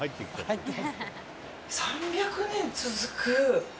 ３００年続く。